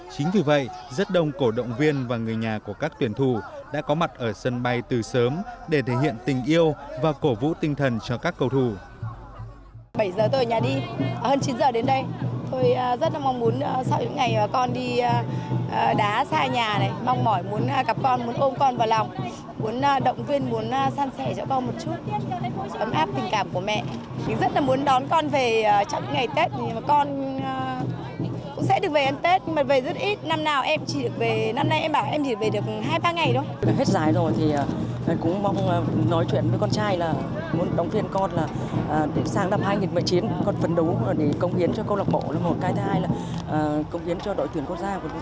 chính vì vậy rất đông cổ động viên và người nhà của các tuyển thủ đã có mặt ở sân bay từ sớm để thể hiện tình yêu và cổ vũ tinh thần cho các cầu thủ